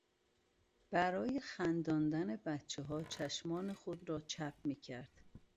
برای خنداندن بچهها چشمان خود را چپ میکرد.